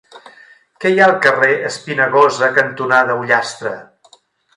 Què hi ha al carrer Espinagosa cantonada Ullastre?